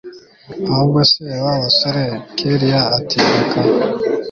ahubwo se babasore kellia ati reka